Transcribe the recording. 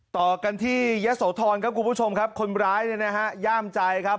ต่อกันที่ยะโสธรครับคุณผู้ชมครับคนร้ายเนี่ยนะฮะย่ามใจครับ